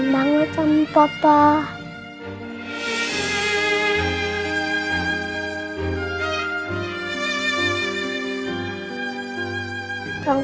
salam bangla cute terus cowok